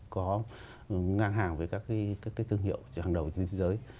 có ngang hàng với các thương hiệu hàng đầu trên thế giới